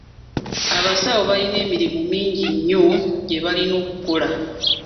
Abasawo balina emirimu mingi nnyo gye balina okukola.